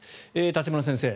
立花先生